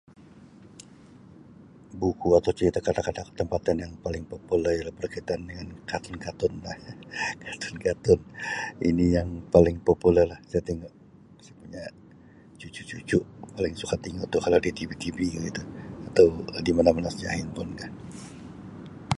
"Buku atau cerita kanak-kanak tempatan yang paling popular ialah berkaitan dengan katun katun lah katun katun ini yang paling popular lah saya tengok saya punya cucu-cucu paling suka tingu tu kalau di TV TV tu atau di mana mana saja ""handphone"" kah."